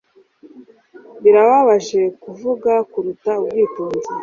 Birababaje kuvuga kuruta ubwitonzi